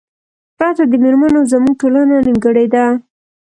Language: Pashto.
پرته د میرمنو زمونږ ټولنه نیمګړې ده